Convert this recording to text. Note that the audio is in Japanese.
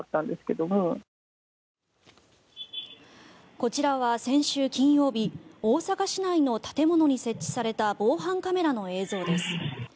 こちらは先週金曜日大阪市内の建物に設置された防犯カメラの映像です。